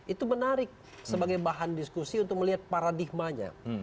itu menarik sebagai bahan diskusi untuk melihat paradigmanya